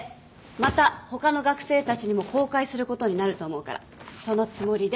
また他の学生たちにも公開することになると思うからそのつもりで。